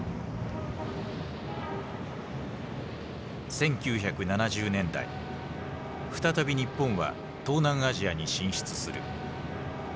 １９７０年代再び日本は東南アジアに進出する。